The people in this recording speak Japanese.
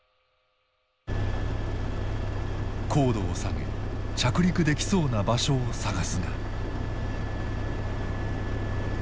高度を下げ着陸できそうな場所を探すが。